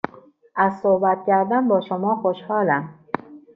از صحبت کردن با شما خوشحالم.